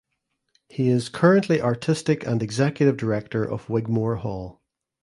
He is currently artistic and executive director of Wigmore Hall.